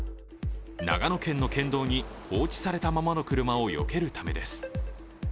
長野県の県道に放置されたままの車をよけるためです。